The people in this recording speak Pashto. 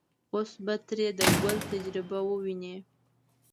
اوس به ترې د ګل تجربه وويني.